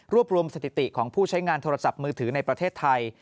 รวมสถิติของผู้ใช้งานโทรศัพท์มือถือในประเทศไทย